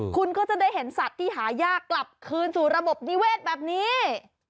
คุณก็จะได้เห็นสัตว์ที่หายากกลับคืนสู่ระบบนิเวศแบบนี้